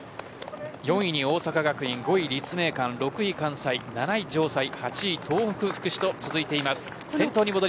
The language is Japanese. ４位に大阪学院５位、立命館、６位関西７位、城西８位、東北福祉と続いています。